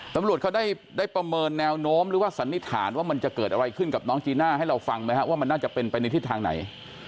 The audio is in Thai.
ตำรวจเขาได้ประเมินแนวโน้มหรือว่าสันนิษฐานว่ามันจะเกิดอะไรขึ้นกับน้องจีน่าให้เราฟังไหมครับว่ามันน่าจะเป็นไปในทิศทางไหน